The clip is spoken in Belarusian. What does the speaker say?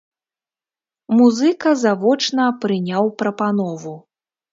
Музыка завочна прыняў прапанову.